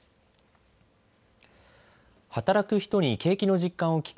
働く人に景気の実感を聞く